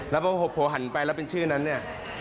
แล้วพอหันไปแล้วเป็นชื่อนั้นเนี่ย